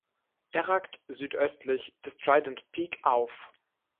Er ragt südöstlich des Trident Peak auf.